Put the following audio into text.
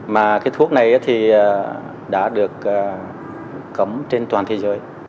mà cái thuốc này thì đã được cấm trên toàn thân